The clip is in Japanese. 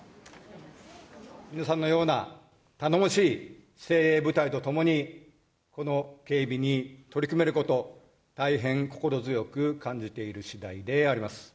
皆さんのような頼もしい精鋭部隊と共に、この警備に取り組めること、大変心強く感じているしだいであります。